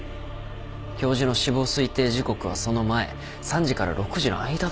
教授の死亡推定時刻はその前３時から６時の間だもん。